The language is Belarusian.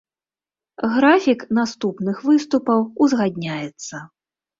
Графік наступных выступаў узгадняецца.